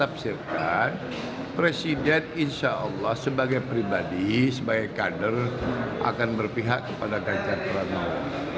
saya tafsirkan presiden insya allah sebagai pribadi sebagai kader akan berpihak kepada ganjar paranowo